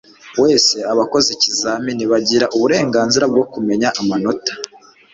wese. abakoze ikizamini bagira uburenganzira bwo kumenya amanota